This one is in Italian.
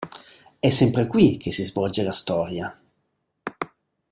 È sempre qui che si svolge la storia.